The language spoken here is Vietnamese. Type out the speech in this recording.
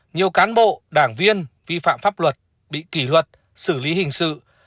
nhiều cán bộ đảng viên vi phạm pháp luật bị kỷ luật xử lý hình sự